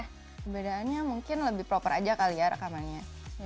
perbedaannya mungkin lebih proper aja kali ya rekamannya